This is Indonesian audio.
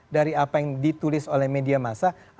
dari apa yang ditulis oleh media masa